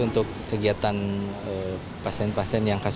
itu untuk kegiatan pasien pasien yang berkejaya